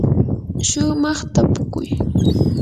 shumaq tapukuy.